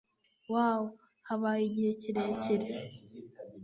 wow! habaye igihe kirekire